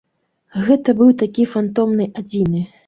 Гэта быў такі фантомны адзіны.